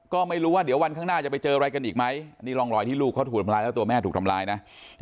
ก็ไม่รู้ว่าเดี๋ยววันข้างหน้าจะไปเจออะไรกันอีกไหมนี่ร่องรอยที่ลูกเขาถูกทำร้ายแล้วตัวแม่ถูกทำร้ายนะ